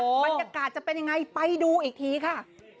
บรรยากาศจะเป็นยังไงไปดูอีกทีค่ะ